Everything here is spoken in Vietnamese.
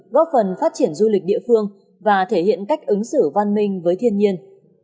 góp phần phát triển du lịch địa phương và thể hiện cách ứng xử văn minh với thiên nhiên